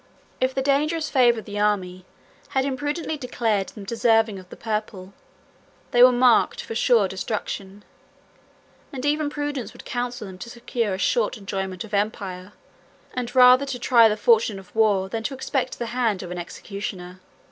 If the dangerous favor of the army had imprudently declared them deserving of the purple, they were marked for sure destruction; and even prudence would counsel them to secure a short enjoyment of empire, and rather to try the fortune of war than to expect the hand of an executioner.